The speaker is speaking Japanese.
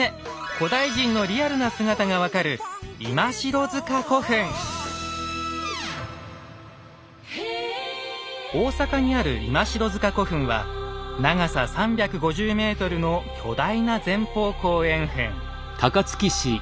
古代人のリアルな姿が分かる大阪にある「今城塚古墳」は長さ３５０ｍの巨大な前方後円墳。